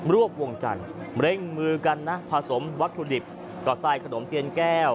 รวบวงจันทร์เร่งมือกันนะผสมวัตถุดิบก็ไส้ขนมเทียนแก้ว